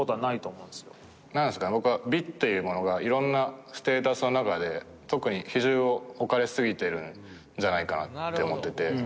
僕は美というものが色んなステータスの中で特に比重を置かれすぎてるんじゃないかなって思ってて。